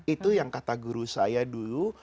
itu yang kata guru saya dulu